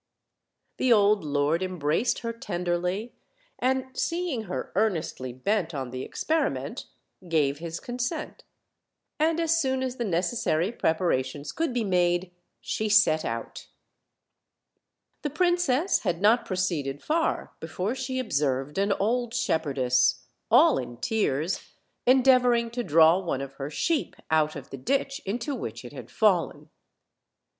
The old lord embraced her tenderly, and, seeing her earnestly bent on the experiment, gave his consent; and as soon as the necessary preparations could be made she set out. The princess had not proceeded far before she ob served an old shepherdess, all in tears, endeavoring to draw one of her sheep out of the ditch, into which it had fallen.